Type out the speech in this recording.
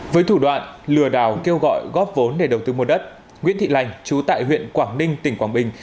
với thủ đoạn lừa đảo kêu gọi góp vốn để đầu tư mua đất nguyễn thị lành chú tại huyện quảng ninh tỉnh quảng bình